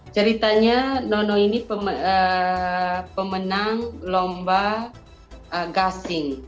ceritanya nono ini pemenang lomba gasing